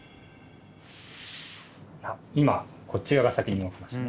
今こっち側が先に動きましたね。